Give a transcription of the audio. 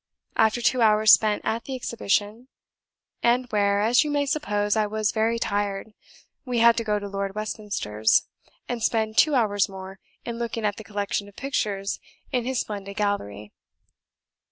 After two hours spent at the Exhibition, and where, as you may suppose, I was VERY tired, we had to go to Lord Westminster's, and spend two hours more in looking at the collection of pictures in his splendid gallery."